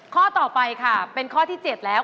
ข้อต่อไปค่ะเป็นข้อที่๗แล้ว